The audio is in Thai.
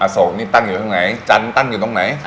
โศกนี่ตั้งอยู่ตรงไหนจันทร์ตั้งอยู่ตรงไหน